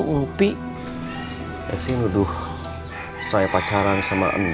heboh saya sudah pasal tentang nv mesa ini